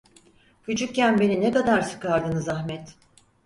Küçükken beni ne kadar sıkardınız Ahmet…